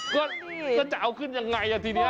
ก็จะเอาขึ้นยังไงทีนี้